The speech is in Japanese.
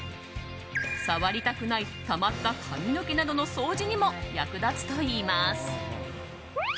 触りたくない溜まった髪の毛などの掃除にも役立つといいます。